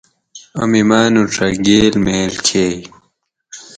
آمی ماۤنوڄہ گیل میل کھیئ